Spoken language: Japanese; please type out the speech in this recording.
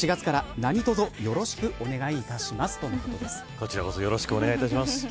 こちらこそよろしくお願いいたします。